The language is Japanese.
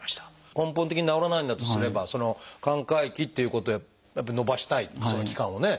根本的に治らないんだとすればその寛解期ということをやっぱり延ばしたいその期間をね。